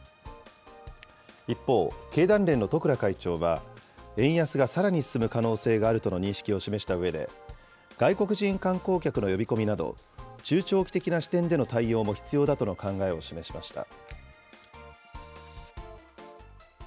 一方、経団連の十倉会長は、円安がさらに進む可能性があるとの認識を示したうえで、外国人観光客の呼び込みなど、中長期的な視点での対応も必要だとの考えを示しました。